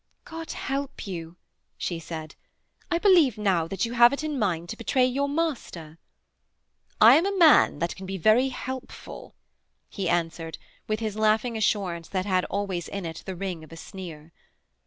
'God help you,' she said; 'I believe now that you have it in mind to betray your master.' 'I am a man that can be very helpful,' he answered, with his laughing assurance that had always in it the ring of a sneer.